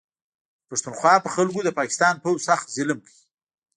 د پښتونخوا په خلکو د پاکستان پوځ سخت ظلم کوي